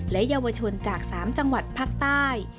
และเยาวชนจาก๓จังหวัดภาคใต้